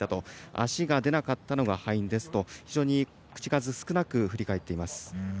足が出なかったのが敗因ですと非常に口数少なく振り返っています。